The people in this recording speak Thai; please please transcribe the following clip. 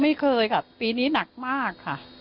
ไม่เคยค่ะปีนี้หนักมากค่ะ